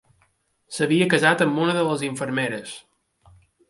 S'havia casat amb una de les infermeres